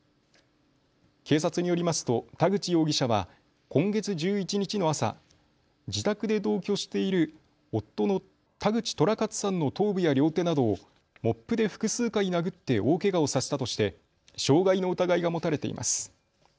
警察によりますと田口容疑者は今月１１日の朝、自宅で同居している夫の田口寅勝さんの頭部や両手などをモップで複数回殴って大けがをさせたとして傷害の疑いが持たれています。